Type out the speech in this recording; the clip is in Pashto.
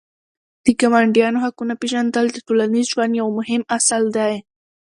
د ګاونډیانو حقونه پېژندل د ټولنیز ژوند یو مهم اصل دی.